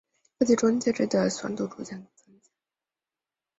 缝隙中介质的酸度逐渐增加。